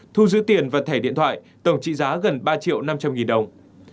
thu giữ tiền và thẻ điện thoại tổng trị giá gần ba triệu năm trăm linh nghìn đồng